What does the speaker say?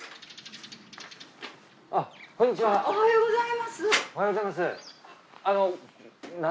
おはようございます。